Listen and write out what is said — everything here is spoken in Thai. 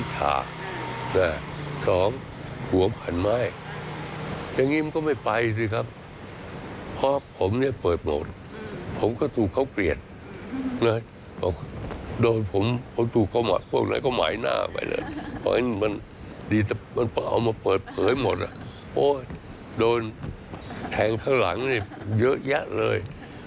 แถงข้างหลังเยอะแยะเลย